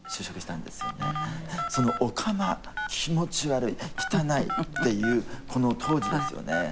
そのオカマ気持ち悪い汚いっていうこの当時ですよね。